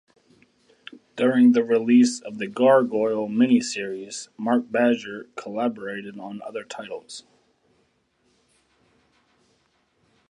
During the release of "The Gargoyle" mini-series, Mark Badger collaborated on other titles.